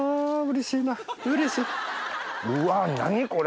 うわ何これ！